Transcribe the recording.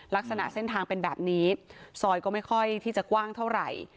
ลักษณะเส้นทางเป็นแบบนี้ซอยก็ไม่ค่อยที่จะกว้างเท่าไหร่